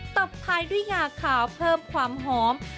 ตบท้ายด้วยงาขาวเพิ่มความหอม